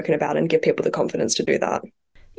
dan memberikan kepercayaan kepada orang orang untuk melakukan itu